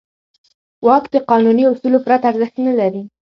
واک د قانوني اصولو پرته ارزښت نه لري.